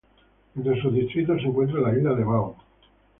Entre sus distritos se encuentra la isla de Bau.